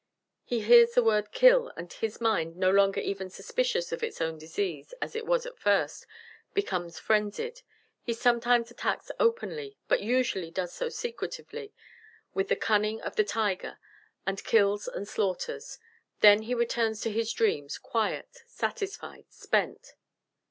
He hears the word 'kill,' and his mind, no longer even suspicions of its own disease as it was at first, becomes frenzied. He sometimes attacks openly, but usually does so secretively, with the cunning of the tiger, and kills and slaughters. Then he returns to his dreams quiet, satisfied, spent."